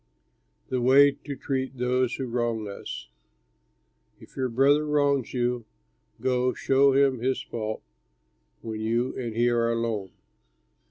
THE WAY TO TREAT THOSE WHO WRONG US "If your brother wrongs you, go, show him his fault when you and he are alone.